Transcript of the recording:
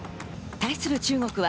対する中国は